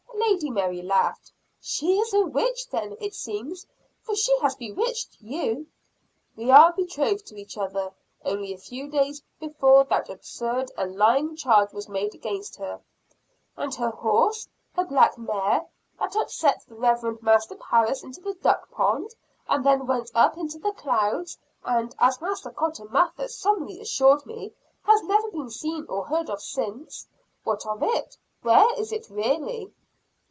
Lady Mary laughed. "She is a witch then, it seems; for she has bewitched you." "We were betrothed to each other only a few days before that absurd and lying charge was made against her." "And her horse her black mare that upset the Reverend Master Parris into the duck pond; and then went up into the clouds; and, as Master Cotton Mather solemnly assured me, has never been seen or heard of since what of it where is it, really?"